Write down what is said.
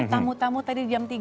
tamu tamu tadi jam tiga